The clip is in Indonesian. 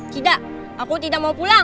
tidak aku tidak mau pulang